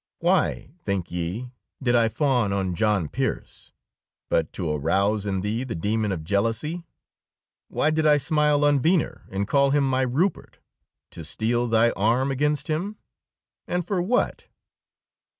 Why, think ye, did I fawn on John Pearse? But to arouse in thee the demon of jealousy; why did I smile on Venner, and call him my Rupert? To steel thy arm against him. And for what?"